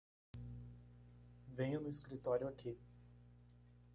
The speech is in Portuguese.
Venha no escritório aqui.